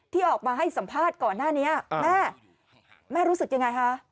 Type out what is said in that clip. ที่ออกมาให้สัมภาษณ์ก่อนหน้านี้แม่แม่รู้สึกยังไงคะ